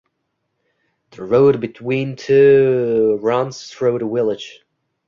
The road between the two runs through the village.